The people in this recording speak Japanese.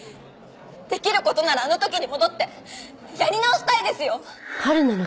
できる事ならあの時に戻ってやり直したいですよ！